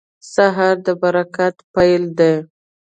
سهار د برکت پیل دی.